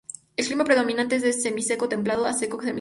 El clima predominante es de semiseco templado a seco semicálido.